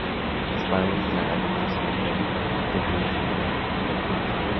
Las paredes de la laguna son de pendiente moderada a verticales.